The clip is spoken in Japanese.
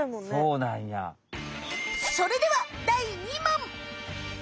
それでは第２問！